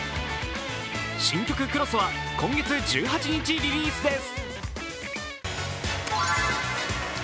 新曲「Ｃｒｏｓｓ」は今月１８日リリースです。